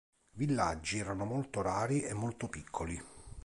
Villaggi erano molto rari e molto piccoli.